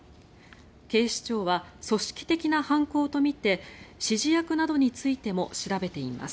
警視庁は組織的な犯行とみて指示役などについても調べています。